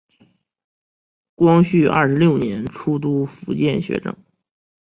光绪二十六年出督福建学政。